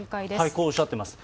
こうおっしゃっています。